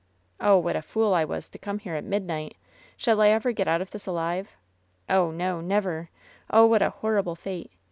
"Oh, what a fool I was to come here at midnight. Shall I ever get out of this alive ? Oh, no — ^never. Oh, what a horrible fate.